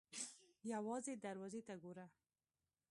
_ يوازې دروازې ته ګوره!